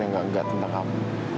yang gak tentang kamu